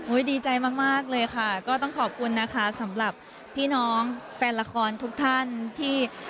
ดีใจมากมากเลยค่ะก็ต้องขอบคุณนะคะสำหรับพี่น้องแฟนละครทุกท่านที่